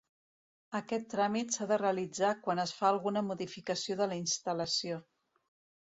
Aquest tràmit s'ha de realitzar quan es fa alguna modificació de la instal·lació.